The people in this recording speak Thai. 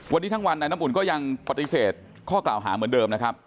วันนี้ทั้งวันนายน้ำอุ่นก็ยังปฏิเสธข้อกล่าวหาเหมือนเดิมนะครับ